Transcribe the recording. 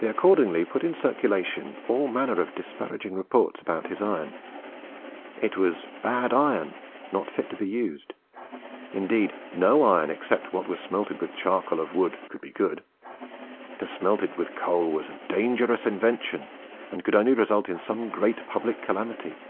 They accordingly put in circulation all manner of disparaging reports about his iron. It was bad iron, not fit to be used; indeed no iron, except what was smelted with charcoal of wood, could be good. To smelt it with coal was a dangerous innovation, and could only result in some great public calamity.